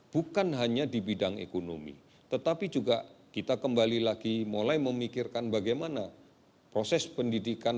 bukan hanya di bidang ekonomi tetapi juga kita kembali lagi mulai memikirkan bagaimana proses pendidikan